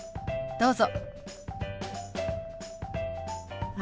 どうぞ。